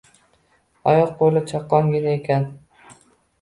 Oyoq-qo`li chaqqongina ekan